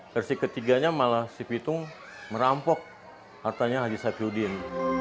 versi ketiganya malah si pitung merampok hartanya haji safirudin